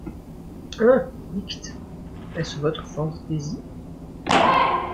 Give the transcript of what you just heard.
Hein ! dictes, est-ce vostre phantaisie ?